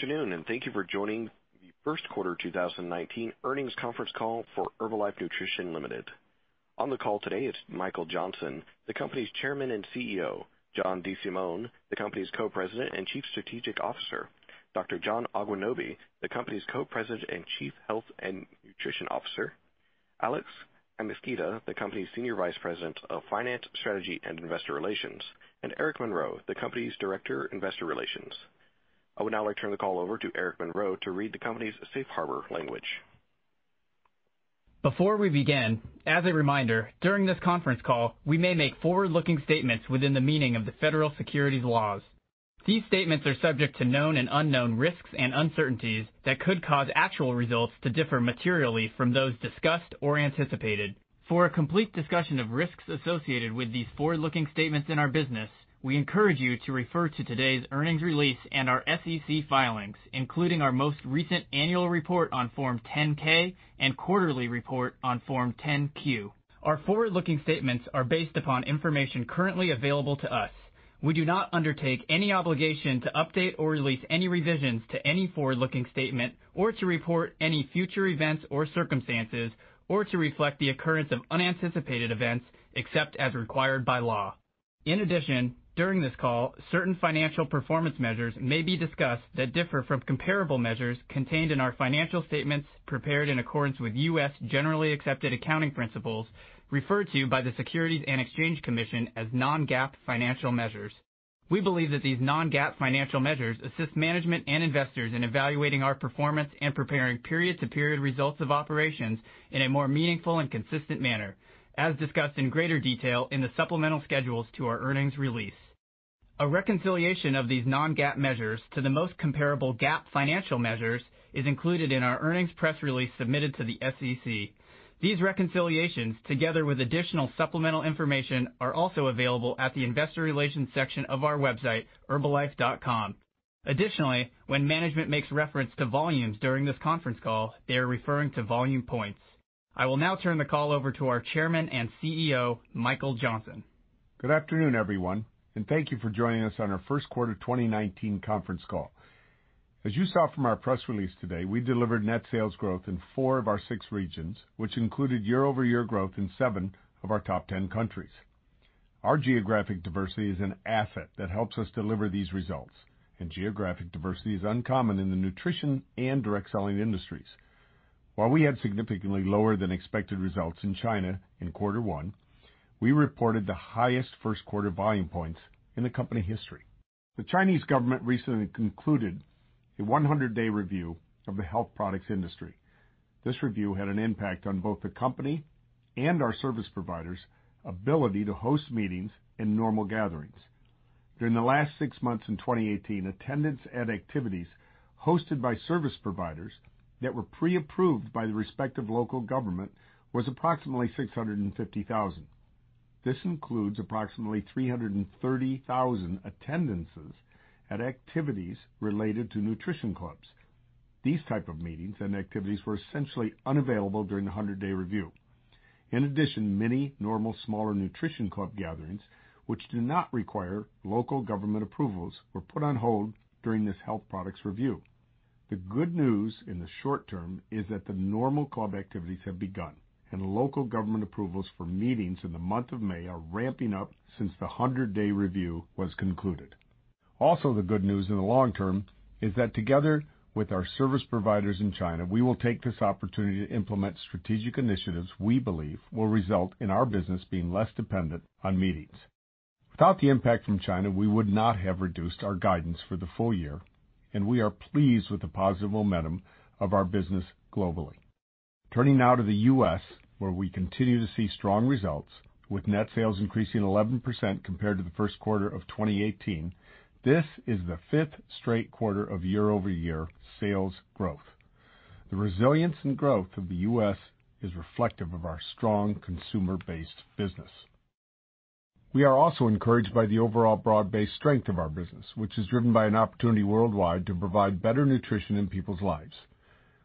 Good afternoon, thank you for joining the first quarter 2019 earnings conference call for Herbalife Nutrition Ltd. On the call today is Michael Johnson, the company's Chairman and CEO, John DeSimone, the company's Co-President and Chief Strategic Officer, Dr. John Agwunobi, the company's Co-President and Chief Health and Nutrition Officer, Alex Amezquita, the company's Senior Vice President of Finance, Strategy, and Investor Relations, and Eric Monroe, the company's Director, Investor Relations. I would now like to turn the call over to Eric Monroe to read the company's safe harbor language. Before we begin, as a reminder, during this conference call, we may make forward-looking statements within the meaning of the federal securities laws. These statements are subject to known and unknown risks and uncertainties that could cause actual results to differ materially from those discussed or anticipated. For a complete discussion of risks associated with these forward-looking statements in our business, we encourage you to refer to today's earnings release and our SEC filings, including our most recent annual report on Form 10-K and quarterly report on Form 10-Q. Our forward-looking statements are based upon information currently available to us. We do not undertake any obligation to update or release any revisions to any forward-looking statement or to report any future events or circumstances, or to reflect the occurrence of unanticipated events, except as required by law. During this call, certain financial performance measures may be discussed that differ from comparable measures contained in our financial statements prepared in accordance with U.S. Generally Accepted Accounting Principles, referred to by the Securities and Exchange Commission as non-GAAP financial measures. We believe that these non-GAAP financial measures assist management and investors in evaluating our performance and preparing period-to-period results of operations in a more meaningful and consistent manner, as discussed in greater detail in the supplemental schedules to our earnings release. A reconciliation of these non-GAAP measures to the most comparable GAAP financial measures is included in our earnings press release submitted to the SEC. These reconciliations, together with additional supplemental information, are also available at the investor relations section of our website, herbalife.com. When management makes reference to volumes during this conference call, they are referring to Volume Points. I will now turn the call over to our Chairman and CEO, Michael Johnson. Good afternoon, everyone, and thank you for joining us on our first quarter 2019 conference call. As you saw from our press release today, we delivered net sales growth in four of our six regions, which included year-over-year growth in seven of our top 10 countries. Our geographic diversity is an asset that helps us deliver these results, and geographic diversity is uncommon in the nutrition and direct selling industries. While we had significantly lower than expected results in China in quarter one, we reported the highest first quarter Volume Points in the company history. The Chinese government recently concluded a 100-day review of the health products industry. This review had an impact on both the company and our service providers' ability to host meetings and normal gatherings. During the last six months in 2018, attendance at activities hosted by service providers that were pre-approved by the respective local government was approximately 650,000. This includes approximately 330,000 attendances at activities related to Nutrition Clubs. These type of meetings and activities were essentially unavailable during the 100-day review. In addition, many normal smaller Nutrition Club gatherings, which do not require local government approvals, were put on hold during this health products review. The good news in the short term is that the normal club activities have begun, and local government approvals for meetings in the month of May are ramping up since the 100-day review was concluded. The good news in the long term is that together with our service providers in China, we will take this opportunity to implement strategic initiatives we believe will result in our business being less dependent on meetings. Without the impact from China, we would not have reduced our guidance for the full year, and we are pleased with the positive momentum of our business globally. Turning now to the U.S., where we continue to see strong results, with net sales increasing 11% compared to the first quarter of 2018, this is the fifth straight quarter of year-over-year sales growth. The resilience and growth of the U.S. is reflective of our strong consumer-based business. We are also encouraged by the overall broad-based strength of our business, which is driven by an opportunity worldwide to provide better nutrition in people's lives.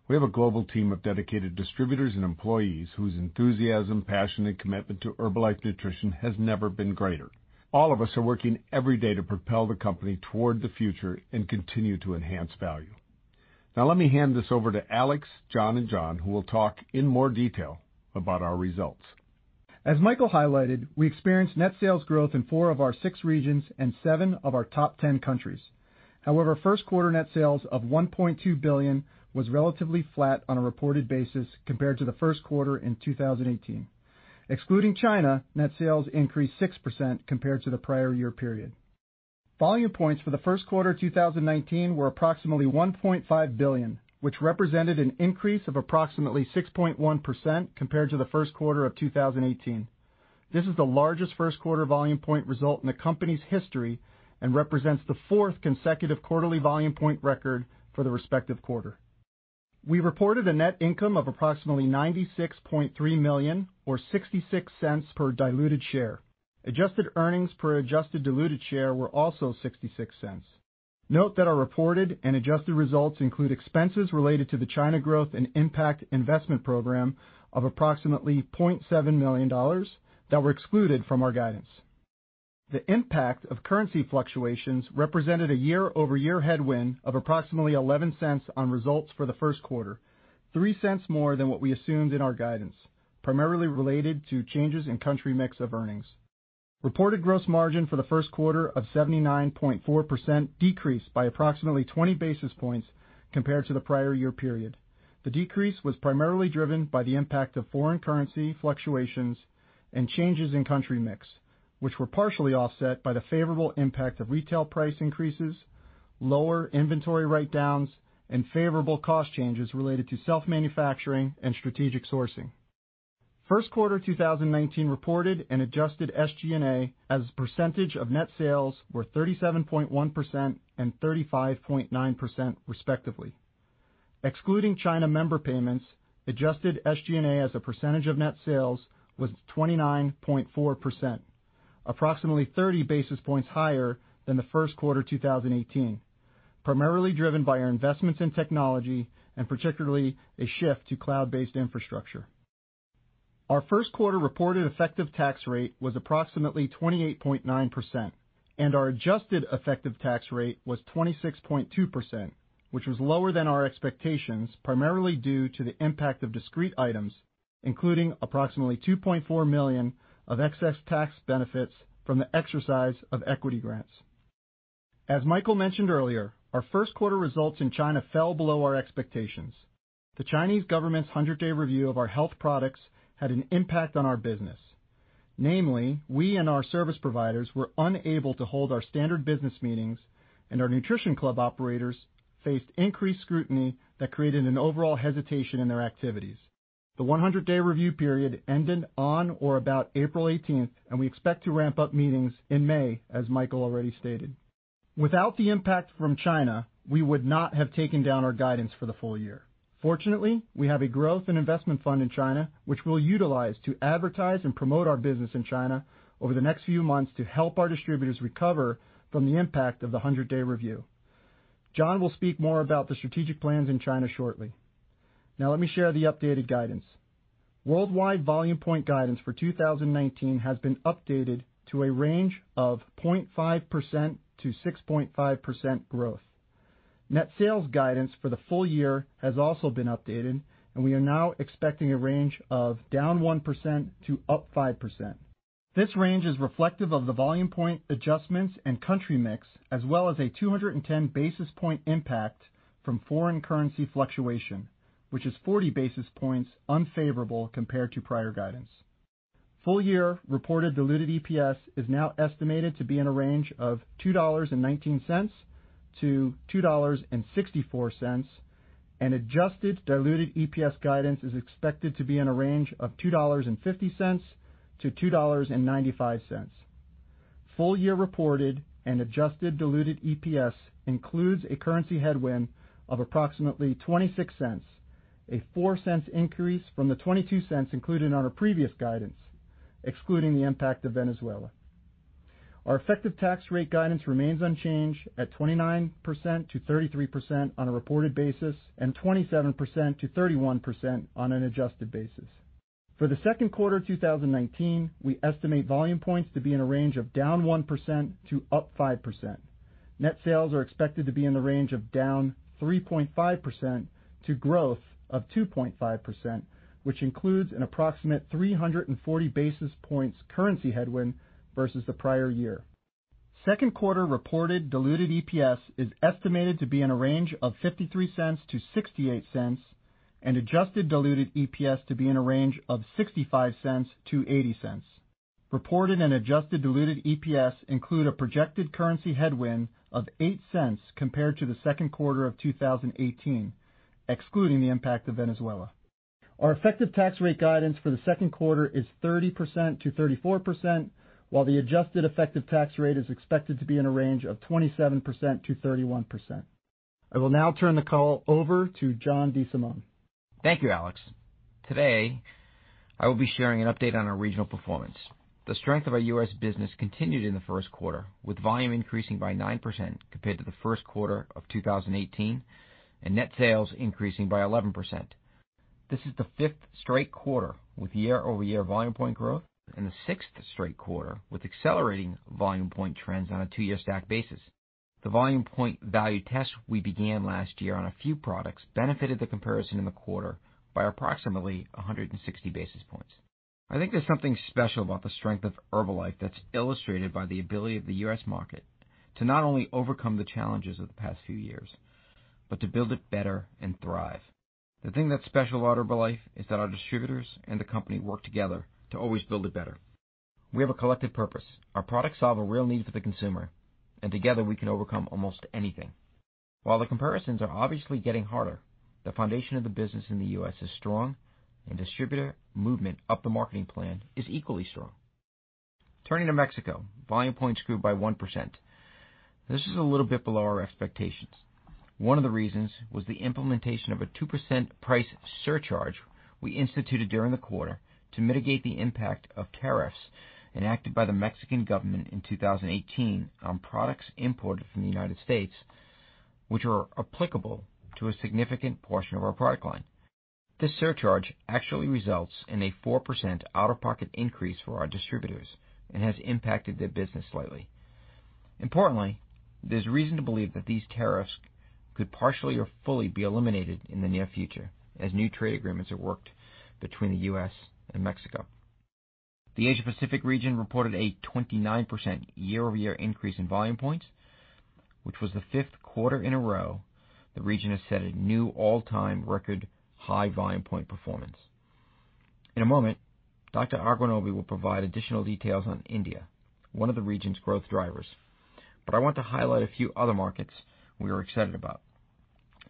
We have a global team of dedicated distributors and employees whose enthusiasm, passion, and commitment to Herbalife Nutrition has never been greater. All of us are working every day to propel the company toward the future and continue to enhance value. Let me hand this over to Alex, John, and John, who will talk in more detail about our results. As Michael highlighted, we experienced net sales growth in four of our six regions and seven of our 10 countries. However, first quarter net sales of $1.2 billion was relatively flat on a reported basis compared to the first quarter in 2018. Excluding China, net sales increased 6% compared to the prior year period. Volume Points for the first quarter 2019 were approximately 1.5 billion, which represented an increase of approximately 6.1% compared to the first quarter of 2018. This is the largest first quarter Volume Point result in the company's history and represents the fourth consecutive quarterly Volume Point record for the respective quarter. We reported a net income of approximately $96.3 million or $0.66 per diluted share. Adjusted earnings per adjusted diluted share were also $0.66. Note that our reported and adjusted results include expenses related to the China Growth and Impact Investment Program of approximately $0.7 million that were excluded from our guidance. The impact of currency fluctuations represented a year-over-year headwind of approximately $0.11 on results for the first quarter, $0.03 more than what we assumed in our guidance, primarily related to changes in country mix of earnings. Reported gross margin for the first quarter of 79.4% decreased by approximately 20 basis points compared to the prior year period. The decrease was primarily driven by the impact of foreign currency fluctuations and changes in country mix, which were partially offset by the favorable impact of retail price increases, lower inventory write-downs, and favorable cost changes related to self-manufacturing and strategic sourcing. First quarter 2019 reported and adjusted SG&A as a percentage of net sales were 37.1% and 35.9%, respectively. Excluding China member payments, adjusted SG&A as a percentage of net sales was 29.4%, approximately 30 basis points higher than the first quarter 2018, primarily driven by our investments in technology, and particularly a shift to cloud-based infrastructure. Our first quarter reported effective tax rate was approximately 28.9%, and our adjusted effective tax rate was 26.2%, which was lower than our expectations, primarily due to the impact of discrete items, including approximately $2.4 million of excess tax benefits from the exercise of equity grants. As Michael mentioned earlier, our first quarter results in China fell below our expectations. The Chinese government's 100-day review of our health products had an impact on our business. Namely, we and our service providers were unable to hold our standard business meetings, and our Nutrition Club operators faced increased scrutiny that created an overall hesitation in their activities. The 100-day review period ended on or about April 18th, and we expect to ramp up meetings in May, as Michael already stated. Without the impact from China, we would not have taken down our guidance for the full year. Fortunately, we have a growth and investment fund in China, which we will utilize to advertise and promote our business in China over the next few months to help our distributors recover from the impact of the 100-day review. John will speak more about the strategic plans in China shortly. Let me share the updated guidance. Worldwide Volume Points guidance for 2019 has been updated to a range of 0.5%-6.5% growth. Net sales guidance for the full year has also been updated, and we are now expecting a range of -1% to 5%. This range is reflective of the Volume Points adjustments and country mix, as well as a 210 basis points impact from foreign currency fluctuation, which is 40 basis points unfavorable compared to prior guidance. Full year reported diluted EPS is now estimated to be in a range of $2.19-$2.64, and adjusted diluted EPS guidance is expected to be in a range of $2.50-$2.95. Full year reported and adjusted diluted EPS includes a currency headwind of approximately $0.26, a $0.04 increase from the $0.22 included on our previous guidance, excluding the impact of Venezuela. Our effective tax rate guidance remains unchanged at 29%-33% on a reported basis and 27%-31% on an adjusted basis. For the second quarter 2019, we estimate Volume Points to be in a range of -1% to 5%. Net sales are expected to be in the range of -3.5% to 2.5%, which includes an approximate 340 basis points currency headwind versus the prior year. Second quarter reported diluted EPS is estimated to be in a range of $0.53-$0.68, and adjusted diluted EPS to be in a range of $0.65-$0.80. Reported and adjusted diluted EPS include a projected currency headwind of $0.08 compared to the second quarter of 2018, excluding the impact of Venezuela. Our effective tax rate guidance for the second quarter is 30%-34%, while the adjusted effective tax rate is expected to be in a range of 27%-31%. I will now turn the call over to John DeSimone. Thank you, Alex. Today, I will be sharing an update on our regional performance. The strength of our U.S. business continued in the first quarter, with volume increasing by 9% compared to the first quarter of 2018, and net sales increasing by 11%. This is the fifth straight quarter with year-over-year Volume Points growth and the sixth straight quarter with accelerating Volume Points trends on a two-year stack basis. The Volume Points value test we began last year on a few products benefited the comparison in the quarter by approximately 160 basis points. I think there is something special about the strength of Herbalife that is illustrated by the ability of the U.S. market to not only overcome the challenges of the past few years, but to build it better and thrive. The thing that is special about Herbalife is that our distributors and the company work together to always build it better. We have a collective purpose. Our products solve a real need for the consumer, and together, we can overcome almost anything. While the comparisons are obviously getting harder, the foundation of the business in the U.S. is strong, and distributor movement up the marketing plan is equally strong. Turning to Mexico, Volume Points grew by 1%. This is a little bit below our expectations. One of the reasons was the implementation of a 2% price surcharge we instituted during the quarter to mitigate the impact of tariffs enacted by the Mexican government in 2018 on products imported from the U.S., which are applicable to a significant portion of our product line. This surcharge actually results in a 4% out-of-pocket increase for our distributors and has impacted their business slightly. Importantly, there's reason to believe that these tariffs could partially or fully be eliminated in the near future as new trade agreements are worked between the U.S. and Mexico. The Asia-Pacific region reported a 29% year-over-year increase in Volume Points, which was the fifth quarter in a row the region has set a new all-time record high Volume Point performance. In a moment, Dr. Agwunobi will provide additional details on India, one of the region's growth drivers. I want to highlight a few other markets we are excited about.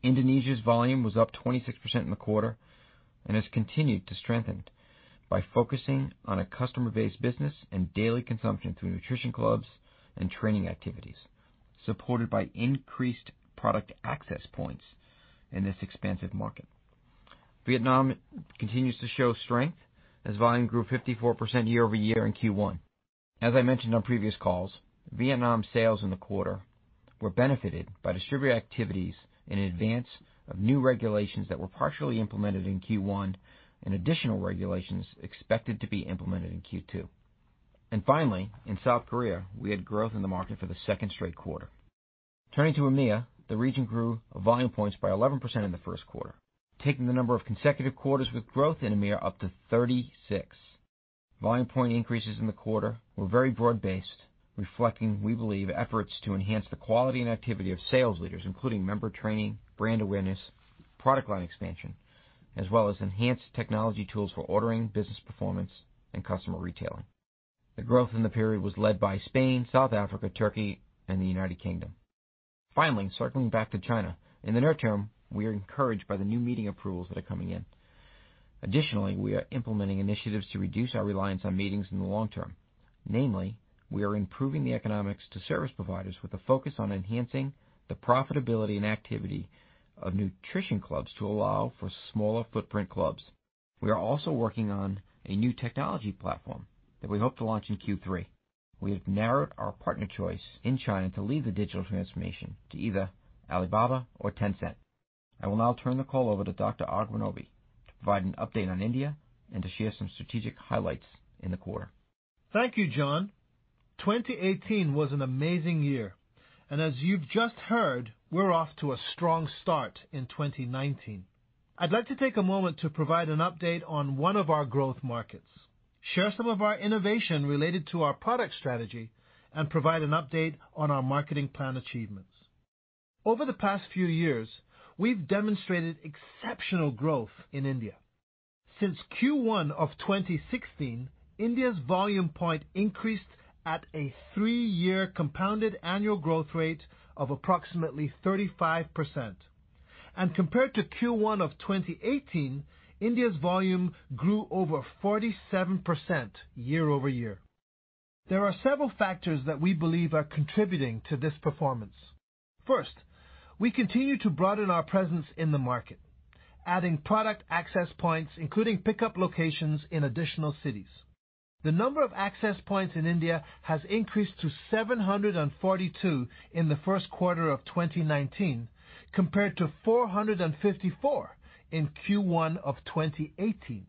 Indonesia's volume was up 26% in the quarter and has continued to strengthen by focusing on a customer-based business and daily consumption through Nutrition Clubs and training activities, supported by increased product access points in this expansive market. Vietnam continues to show strength as volume grew 54% year-over-year in Q1. As I mentioned on previous calls, Vietnam sales in the quarter were benefited by distributor activities in advance of new regulations that were partially implemented in Q1 and additional regulations expected to be implemented in Q2. Finally, in South Korea, we had growth in the market for the second straight quarter. Turning to EMEA, the region grew Volume Points by 11% in the first quarter, taking the number of consecutive quarters with growth in EMEA up to 36. Volume Point increases in the quarter were very broad-based, reflecting, we believe, efforts to enhance the quality and activity of sales leaders, including member training, brand awareness, product line expansion, as well as enhanced technology tools for ordering, business performance, and customer retailing. The growth in the period was led by Spain, South Africa, Turkey, and the United Kingdom. Circling back to China. In the near term, we are encouraged by the new meeting approvals that are coming in. Additionally, we are implementing initiatives to reduce our reliance on meetings in the long term. Namely, we are improving the economics to service providers with a focus on enhancing the profitability and activity of Nutrition Clubs to allow for smaller footprint clubs. We are also working on a new technology platform that we hope to launch in Q3. We have narrowed our partner choice in China to lead the digital transformation to either Alibaba or Tencent. I will now turn the call over to Dr. Agwunobi to provide an update on India and to share some strategic highlights in the quarter. Thank you, John. 2018 was an amazing year, as you've just heard, we're off to a strong start in 2019. I'd like to take a moment to provide an update on one of our growth markets, share some of our innovation related to our product strategy, and provide an update on our marketing plan achievements. Over the past few years, we've demonstrated exceptional growth in India. Since Q1 of 2016, India's Volume Point increased at a three-year compounded annual growth rate of approximately 35%. Compared to Q1 of 2018, India's volume grew over 47% year-over-year. There are several factors that we believe are contributing to this performance. First, we continue to broaden our presence in the market, adding product access points, including pickup locations in additional cities. The number of access points in India has increased to 742 in the first quarter of 2019, compared to 454 in Q1 of 2018.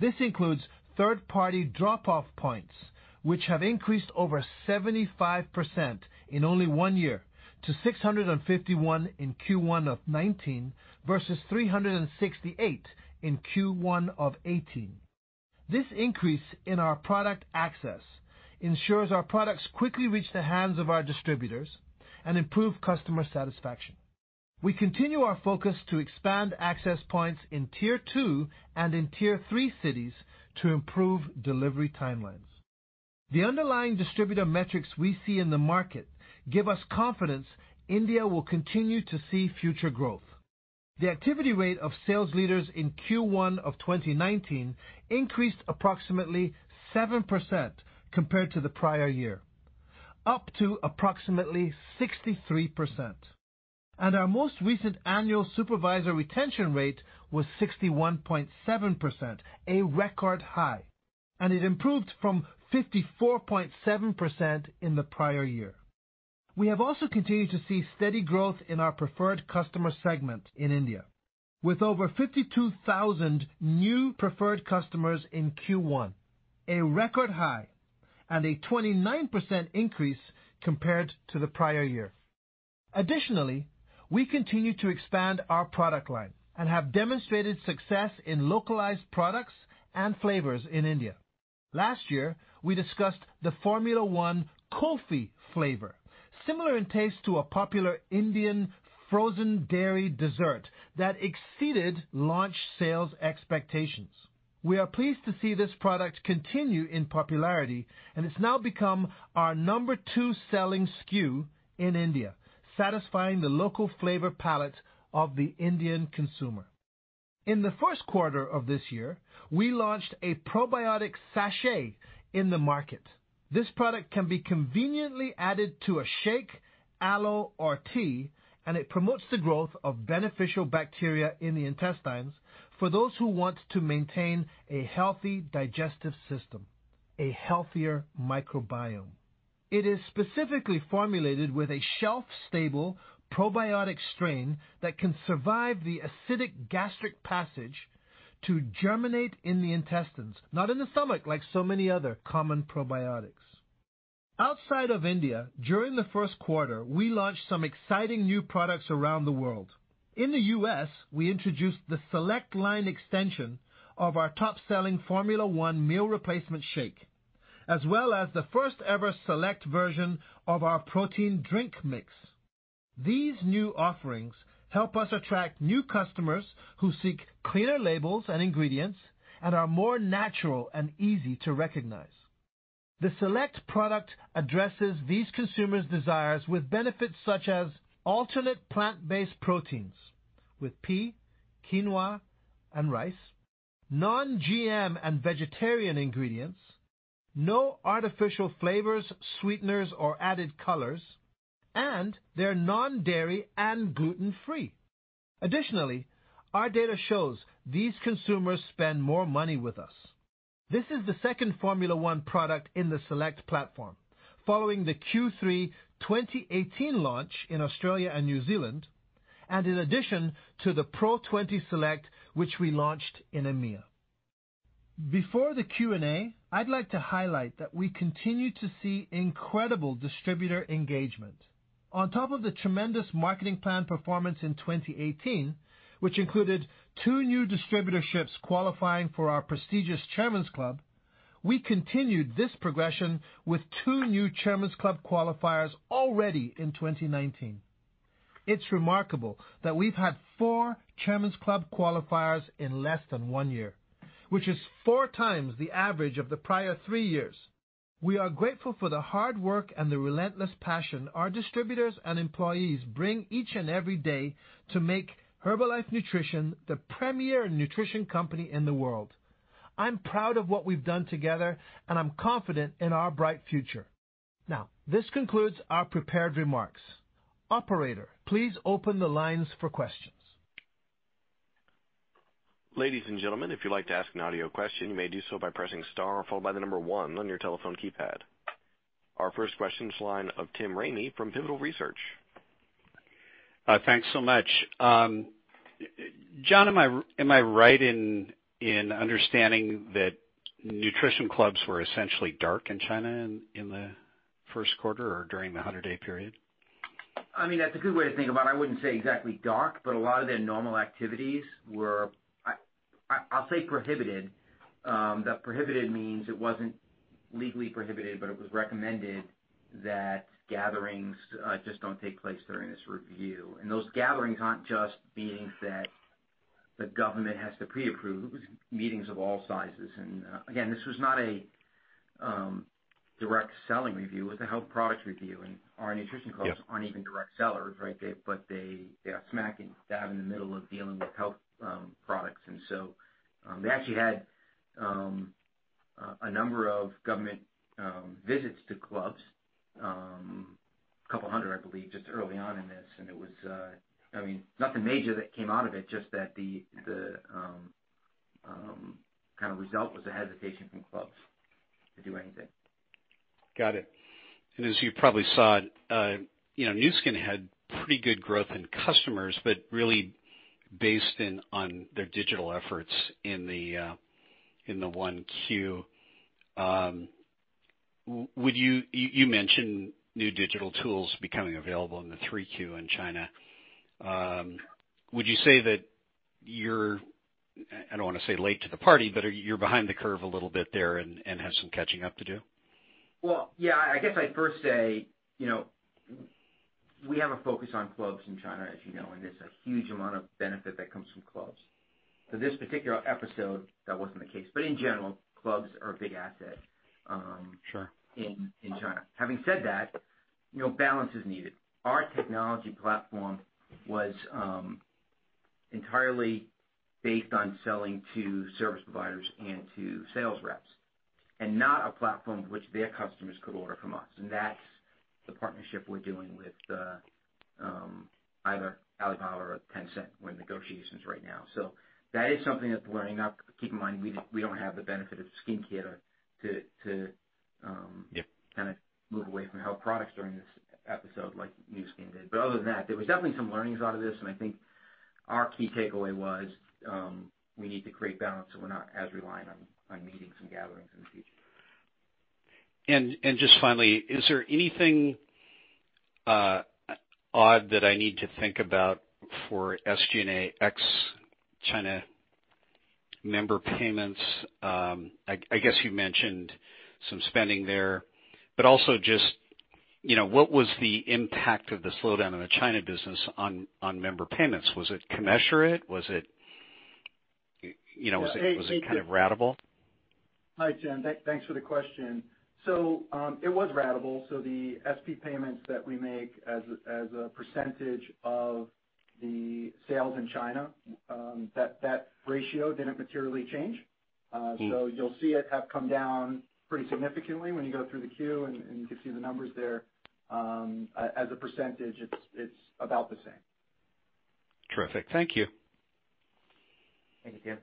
This includes third-party drop-off points, which have increased over 75% in only one year to 651 in Q1 of 2019 versus 368 in Q1 of 2018. This increase in our product access ensures our products quickly reach the hands of our distributors and improve customer satisfaction. We continue our focus to expand access points in Tier 2 and in Tier 3 cities to improve delivery timelines. The underlying distributor metrics we see in the market give us confidence India will continue to see future growth. The activity rate of sales leaders in Q1 of 2019 increased approximately 7% compared to the prior year, up to approximately 63%. Our most recent annual supervisor retention rate was 61.7%, a record high, and it improved from 54.7% in the prior year. We have also continued to see steady growth in our preferred customer segment in India, with over 52,000 new preferred customers in Q1, a record high, and a 29% increase compared to the prior year. Additionally, we continue to expand our product line and have demonstrated success in localized products and flavors in India. Last year, we discussed the Formula 1 Kulfi flavor, similar in taste to a popular Indian frozen dairy dessert that exceeded launch sales expectations. We are pleased to see this product continue in popularity, and it's now become our number two selling SKU in India, satisfying the local flavor palate of the Indian consumer. In the first quarter of this year, we launched a probiotic sachet in the market. This product can be conveniently added to a shake, aloe, or tea. It promotes the growth of beneficial bacteria in the intestines for those who want to maintain a healthy digestive system, a healthier microbiome. It is specifically formulated with a shelf-stable probiotic strain that can survive the acidic gastric passage to germinate in the intestines, not in the stomach like so many other common probiotics. Outside of India, during the first quarter, we launched some exciting new products around the world. In the U.S., we introduced the Select line extension of our top-selling Formula 1 meal replacement shake, as well as the first-ever Select version of our Protein Drink Mix. These new offerings help us attract new customers who seek cleaner labels and ingredients and are more natural and easy to recognize. The Select product addresses these consumers' desires with benefits such as alternate plant-based proteins with pea, quinoa, and rice, non-GMO and vegetarian ingredients, no artificial flavors, sweeteners, or added colors, and they're non-dairy and gluten-free. Additionally, our data shows these consumers spend more money with us. This is the second Formula 1 product in the Select platform, following the Q3 2018 launch in Australia and New Zealand, and in addition to the PRO 20 Select, which we launched in EMEA. Before the Q&A, I'd like to highlight that we continue to see incredible distributor engagement. On top of the tremendous marketing plan performance in 2018, which included two new distributorships qualifying for our prestigious Chairman's Club, we continued this progression with two new Chairman's Club qualifiers already in 2019. It's remarkable that we've had four Chairman's Club qualifiers in less than one year, which is four times the average of the prior three years. We are grateful for the hard work and the relentless passion our distributors and employees bring each and every day to make Herbalife Nutrition the premier nutrition company in the world. I'm proud of what we've done together, and I'm confident in our bright future. This concludes our prepared remarks. Operator, please open the lines for questions. Ladies and gentlemen, if you'd like to ask an audio question, you may do so by pressing star followed by the number 1 on your telephone keypad. Our first question is to the line of Tim Ramey from Pivotal Research. Thanks much. John, am I right in understanding that Nutrition Clubs were essentially dark in China in the first quarter or during the 100-day review? That's a good way to think about it. I wouldn't say exactly dark, but a lot of their normal activities were, I'll say prohibited. That prohibited means it wasn't legally prohibited, but it was recommended that gatherings just don't take place during this review. Those gatherings aren't just being that the government has to pre-approve meetings of all sizes. Again, this was not a direct selling review, it was a health product review. Our Nutrition Clubs- Yeah aren't even direct sellers, but they are smack dab in the middle of dealing with health products. They actually had a number of government visits to Nutrition Clubs, 200, I believe, just early on in this, and it was nothing major that came out of it, just that the result was a hesitation from Nutrition Clubs to do anything. Got it. As you probably saw, Nu Skin had pretty good growth in customers, but really based on their digital efforts in the 1Q. You mentioned new digital tools becoming available in the 3Q in China. Would you say that you're, I don't want to say late to the party, but you're behind the curve a little bit there and have some catching up to do? Well, yeah. I guess I'd first say, we have a focus on Nutrition Clubs in China, as you know, there's a huge amount of benefit that comes from Nutrition Clubs. For this particular episode, that wasn't the case. In general, Nutrition Clubs are a big asset- Sure in China. Having said that, balance is needed. Our technology platform was entirely based on selling to service providers and to sales reps, not a platform which their customers could order from us. That's the partnership we're doing with either Alibaba or Tencent. We're in negotiations right now. That is something that we're learning. Keep in mind, we don't have the benefit of skincare to- Yeah kind of move away from health products during this episode like Nu Skin did. Other than that, there was definitely some learnings out of this, and I think our key takeaway was we need to create balance so we're not as reliant on meetings and gatherings in the future. Just finally, is there anything odd that I need to think about for SG&A ex China member payments? I guess you mentioned some spending there, but also just what was the impact of the slowdown in the China business on member payments? Was it commensurate? Was it kind of ratable? Hi, Tim. Thanks for the question. It was ratable. The SP payments that we make as a percentage of the sales in China, that ratio didn't materially change. You'll see it have come down pretty significantly when you go through the Q, and you can see the numbers there. As a percentage, it's about the same. Terrific. Thank you. Thank you.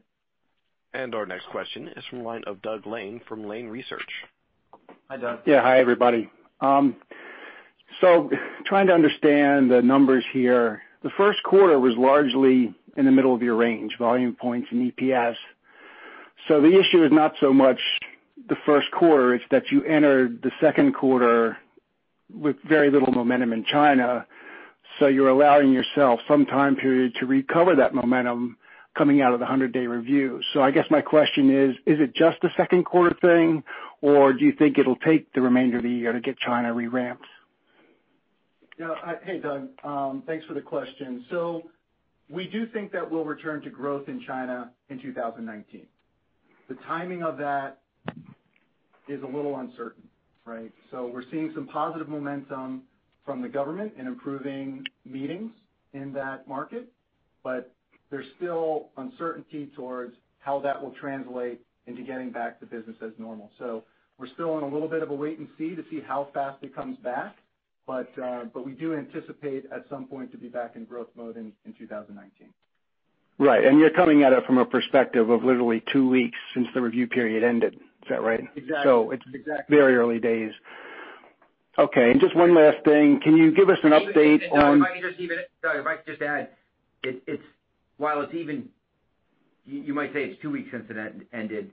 Our next question is from the line of Doug Lane from Lane Research. Hi, Doug. Yeah. Hi, everybody. Trying to understand the numbers here. The first quarter was largely in the middle of your range, Volume Points and EPS. The issue is not so much the first quarter, it's that you entered the second quarter with very little momentum in China. You're allowing yourself some time period to recover that momentum coming out of the 100-day review. I guess my question is it just a second quarter thing, or do you think it'll take the remainder of the year to get China re-ramped? Hey, Doug. Thanks for the question. We do think that we'll return to growth in China in 2019. The timing of that is a little uncertain, right? We're seeing some positive momentum from the government in improving meetings in that market, but there's still uncertainty towards how that will translate into getting back to business as normal. We're still in a little bit of a wait and see to see how fast it comes back. We do anticipate at some point to be back in growth mode in 2019. Right. You're coming at it from a perspective of literally two weeks since the review period ended. Is that right? Exactly. It's very early days. Okay. Just one last thing. Can you give us an update on? If I could just even Doug, if I could just add. While you might say it's two weeks since it ended,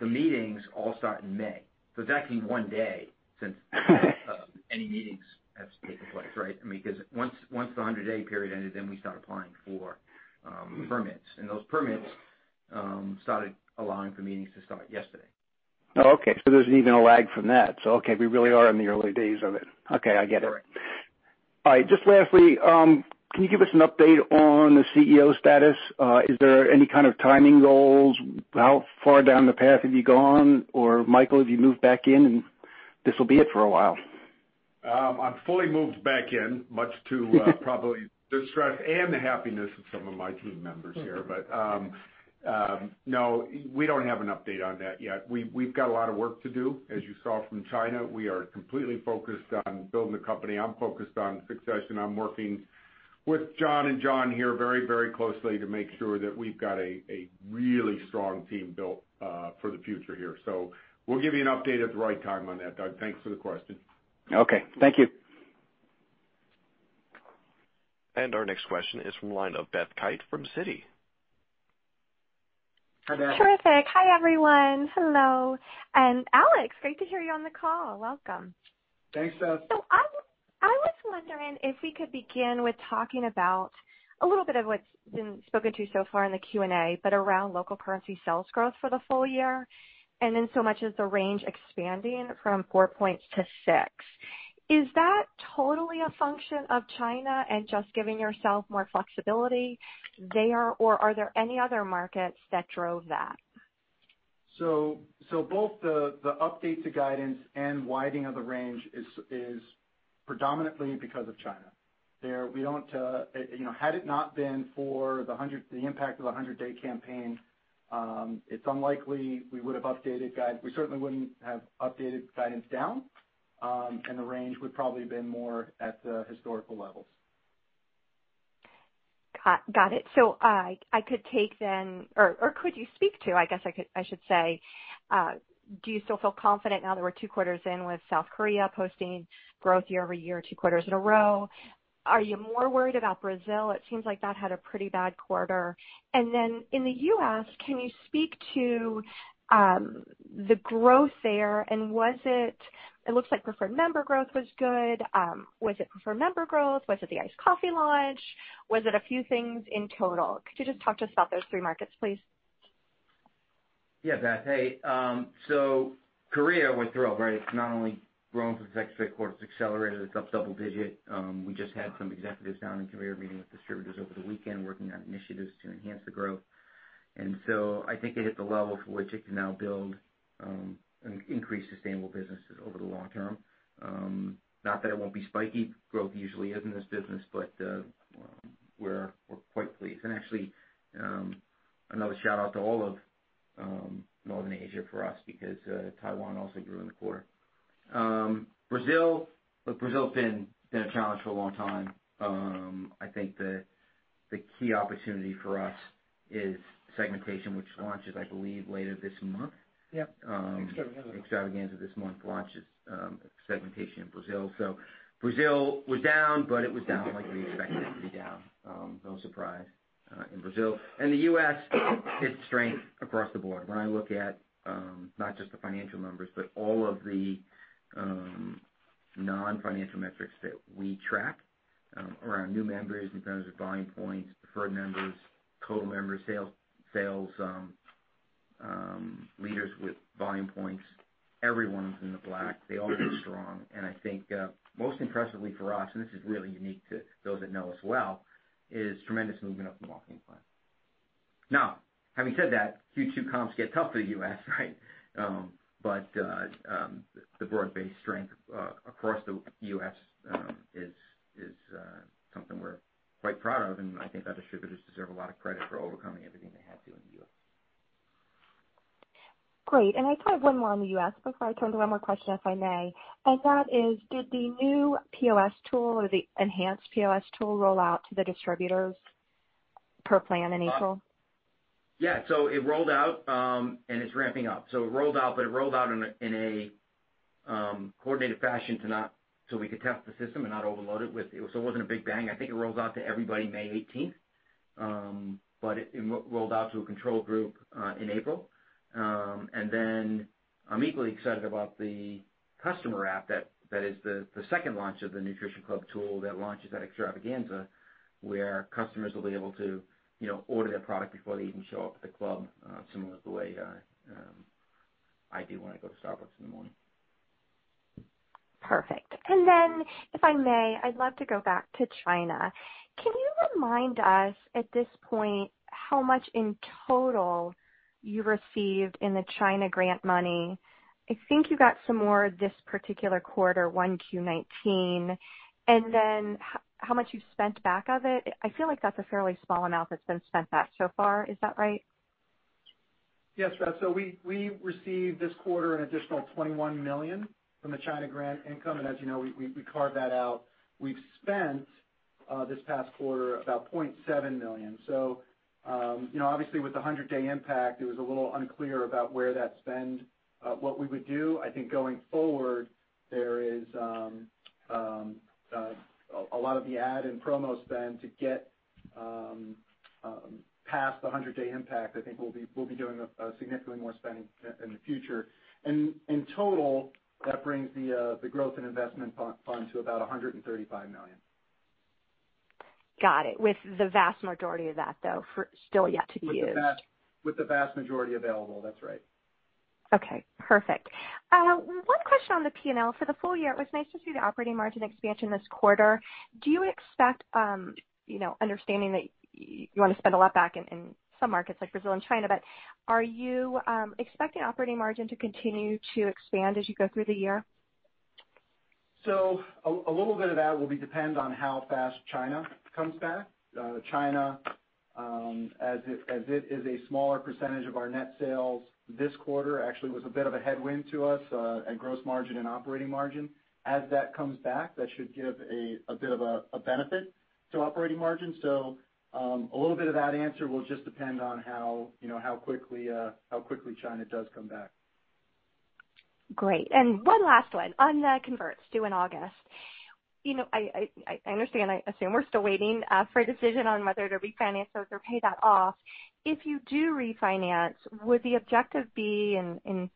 the meetings all start in May. It's actually one day since any meetings have taken place, right? Because once the 100-day period ended, then we start applying for permits, and those permits started allowing for meetings to start yesterday. Oh, okay. There's even a lag from that. Okay, we really are in the early days of it. Okay. I get it. Correct. All right. Just lastly, can you give us an update on the CEO status? Is there any kind of timing goals? How far down the path have you gone? Michael, have you moved back in and this will be it for a while? I'm fully moved back in, much to probably the stress and the happiness of some of my team members here. No, we don't have an update on that yet. We've got a lot of work to do, as you saw from China. We are completely focused on building the company. I'm focused on success, and I'm working with John and John here very closely to make sure that we've got a really strong team built for the future here. We'll give you an update at the right time on that, Doug. Thanks for the question. Okay. Thank you. Our next question is from the line of Beth Kite from Citi. Hi, Beth. Terrific. Hi, everyone. Hello. Alex, great to hear you on the call. Welcome. Thanks, Beth. I was wondering if we could begin with talking about a little bit of what's been spoken to so far in the Q&A, around local currency sales growth for the full year, so much as the range expanding from four points to six. Is that totally a function of China and just giving yourself more flexibility there, or are there any other markets that drove that? Both the update to guidance and widening of the range is predominantly because of China. Had it not been for the impact of the 100-day review, we certainly wouldn't have updated guidance down, the range would probably have been more at the historical levels. Got it. Could you speak to, I guess I should say, do you still feel confident now that we're two quarters in with South Korea posting growth year-over-year, two quarters in a row? Are you more worried about Brazil? It seems like that had a pretty bad quarter. In the U.S., can you speak to the growth there and was it? It looks like preferred member growth was good. Was it preferred member growth? Was it the iced coffee launch? Was it a few things in total? Could you just talk to us about those three markets, please? Yeah, Beth. Hey. Korea, we're thrilled, right? It's not only grown for the second straight quarter, it's accelerated. It's up double digit. We just had some executives down in Korea meeting with distributors over the weekend, working on initiatives to enhance the growth. I think it hit the level from which it can now build and increase sustainable businesses over the long term. Not that it won't be spiky. Growth usually is in this business, but we're quite pleased. Actually, another shout-out to all of Northern Asia for us because Taiwan also grew in the quarter. Brazil has been a challenge for a long time. I think the key opportunity for us is segmentation, which launches, I believe, later this month. Yep. Extravaganza. Extravaganza this month launches segmentation in Brazil. Brazil was down, but it was down like we expected it to be down. No surprise in Brazil. The U.S. hits strength across the board. When I look at not just the financial numbers, but all of the non-financial metrics that we track around new members in terms of Volume Points, preferred members, total members, sales leaders with Volume Points. Everyone's in the black. They all did strong. I think most impressively for us, and this is really unique to those that know us well, is tremendous movement up the marketing plan. Having said that, Q2 comps get tough for the U.S., right? The broad-based strength across the U.S. is something we're quite proud of, and I think our distributors deserve a lot of credit for overcoming everything they had to in Q2. I have one more on the U.S. before I turn to one more question, if I may. That is, did the new POS tool or the enhanced POS tool roll out to the distributors per plan in April? It rolled out, and it's ramping up. It rolled out, but it rolled out in a coordinated fashion so we could test the system and not overload it. It wasn't a big bang. I think it rolls out to everybody May 18th. It rolled out to a control group in April. I'm equally excited about the customer app that is the second launch of the Nutrition Club tool that launches at Extravaganza, where customers will be able to order their product before they even show up at the club, similar to the way I do when I go to Starbucks in the morning. Perfect. If I may, I'd love to go back to China. Can you remind us at this point how much in total you received in the China grant money? I think you got some more this particular quarter, one Q19, and then how much you've spent back of it. I feel like that's a fairly small amount that's been spent back so far. Is that right? Yes, Beth. We received this quarter an additional $21 million from the China grant income. As you know, we carve that out. We've spent this past quarter about $0.7 million. Obviously with the 100-day impact, it was a little unclear about where that spend, what we would do. I think going forward, there is a lot of the ad and promo spend to get past the 100-day impact. I think we'll be doing significantly more spending in the future. In total, that brings the Growth and Investment Fund to about $135 million. Got it. With the vast majority of that, though, still yet to be used. With the vast majority available. That's right. Okay, perfect. One question on the P&L for the full year. It was nice to see the operating margin expansion this quarter. Do you expect, understanding that you want to spend a lot back in some markets like Brazil and China, but are you expecting operating margin to continue to expand as you go through the year? A little bit of that will be dependent on how fast China comes back. China, as it is a smaller percentage of our net sales, this quarter actually was a bit of a headwind to us in gross margin and operating margin. As that comes back, that should give a bit of a benefit to operating margin. A little bit of that answer will just depend on how quickly China does come back. Great. One last one. On the converts due in August. I understand, I assume we're still waiting for a decision on whether to refinance those or pay that off. If you do refinance, would the objective be in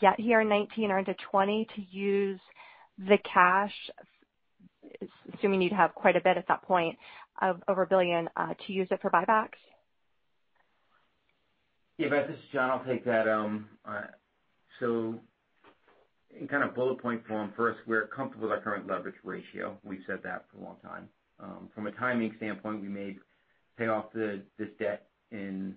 year 2019 or into 2020 to use the cash, assuming you'd have quite a bit at that point of over $1 billion, to use it for buybacks? Yeah, Beth, this is John. I'll take that. In kind of bullet point form for us, we're comfortable with our current leverage ratio. We've said that for a long time. From a timing standpoint, we may pay off this debt in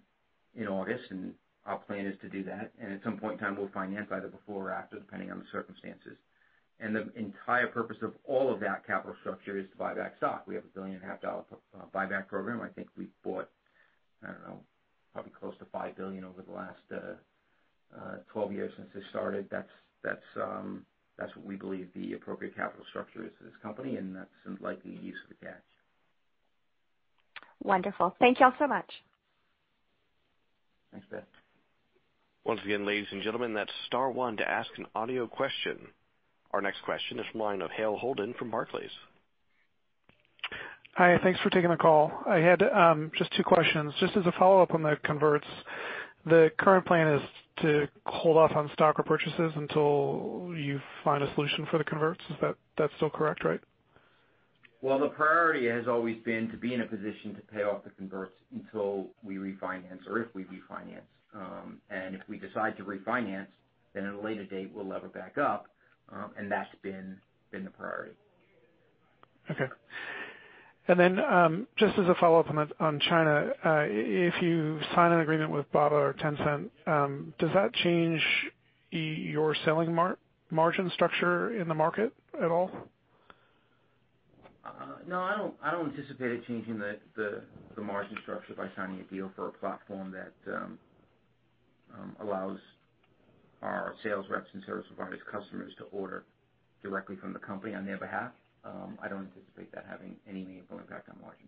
August, and our plan is to do that. At some point in time, we'll finance either before or after, depending on the circumstances. The entire purpose of all of that capital structure is to buy back stock. We have a $1.5 billion buyback program. I think we've bought, I don't know, probably close to $5 billion over the last 12 years since this started. That's what we believe the appropriate capital structure is for this company, and that's the likely use of the cash. Wonderful. Thank you all so much. Thanks, Beth. Once again, ladies and gentlemen, that's star one to ask an audio question. Our next question is from the line of Hale Holden from Barclays. Hi, thanks for taking the call. I had just two questions. Just as a follow-up on the converts, the current plan is to hold off on stock repurchases until you find a solution for the converts. Is that still correct, right? Well, the priority has always been to be in a position to pay off the converts until we refinance or if we refinance. If we decide to refinance, then at a later date, we'll lever back up. That's been the priority. Okay. Then, just as a follow-up on China, if you sign an agreement with Alibaba or Tencent, does that change your selling margin structure in the market at all? No, I don't anticipate it changing the margin structure by signing a deal for a platform that allows our sales reps and service provider customers to order directly from the company on their behalf. I don't anticipate that having any meaningful impact on margin.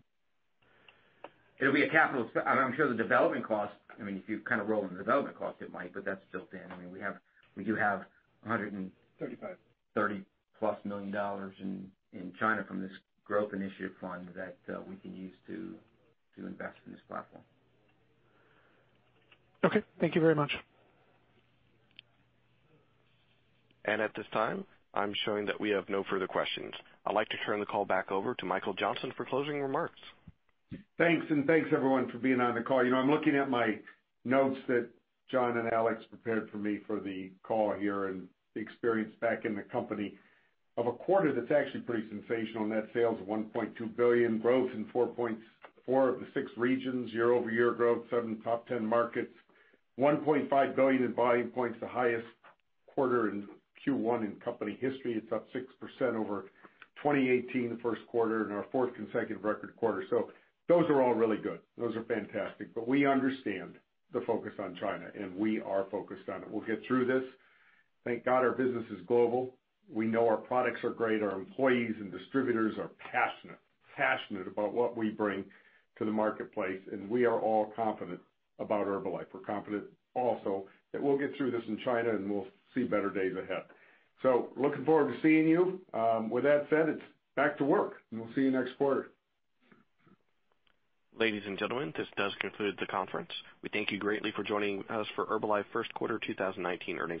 I'm sure the development cost, if you roll in the development cost, it might, but that's built in. We do have $135 million-$130 million plus in China from this China Growth and Impact Investment Program that we can use to invest in this platform. Okay. Thank you very much. At this time, I'm showing that we have no further questions. I'd like to turn the call back over to Michael Johnson for closing remarks. Thanks. Thanks, everyone for being on the call. I'm looking at my notes that John and Alex prepared for me for the call here and the experience back in the company of a quarter that's actually pretty sensational. Net sales of $1.2 billion, growth in 4.4 of the 6 regions, year-over-year growth, 7 top 10 markets, $1.5 billion in Volume Points, the highest quarter in Q1 in company history. It's up 6% over 2018 first quarter and our fourth consecutive record quarter. Those are all really good. Those are fantastic. We understand the focus on China, and we are focused on it. We'll get through this. Thank God our business is global. We know our products are great. Our employees and distributors are passionate about what we bring to the marketplace, and we are all confident about Herbalife. We're confident also that we'll get through this in China, and we'll see better days ahead. Looking forward to seeing you. With that said, it's back to work, and we'll see you next quarter. Ladies and gentlemen, this does conclude the conference. We thank you greatly for joining us for Herbalife first quarter 2019 earnings call.